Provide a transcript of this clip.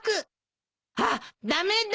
あっ駄目だ。